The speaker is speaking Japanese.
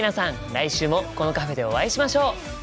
来週もこのカフェでお会いしましょう！